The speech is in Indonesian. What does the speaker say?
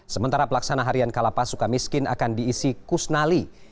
sementara pelaksana harian kalapas suka miskin akan diisi kusnali